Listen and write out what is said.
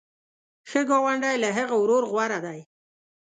ښه ګاونډی له هغه ورور غوره دی.